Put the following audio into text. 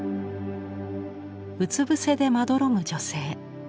うつ伏せでまどろむ女性。